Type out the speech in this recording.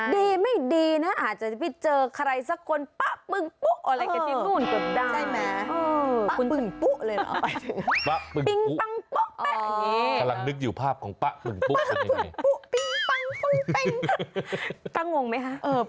ดีไม่ดีนะอาจจะไปเจอใครสักคนแป๊บึงปุ๊ะอะไรกันซิ